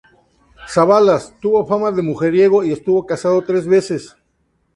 Savalas tuvo fama de mujeriego y estuvo casado tres veces.